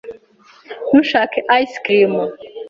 Ntushaka ice cream?